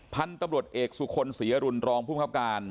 พันธุ์ตำรวจเอกสุคลศรีอรุณรองภูมิครับการ